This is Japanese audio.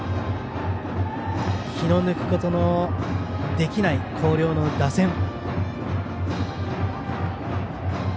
気の抜くことのできない広陵の打線。